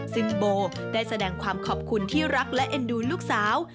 ซึ่งโบได้แสดงความขอบคุณที่รักและเอ็นดูลูกสาว